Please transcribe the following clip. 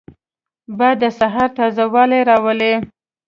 باد د سهار تازه والی راولي